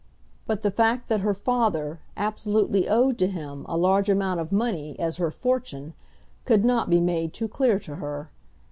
But the fact that her father absolutely owed to him a large amount of money as her fortune could not be made too clear to her.